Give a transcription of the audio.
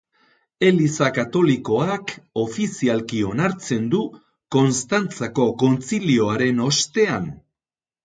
Eliza Katolikoak ofizialki onartzen du, Konstantzako Kontzilioaren ostean.